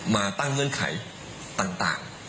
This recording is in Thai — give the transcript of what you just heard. มาตั้งเงื่อนไขต่าง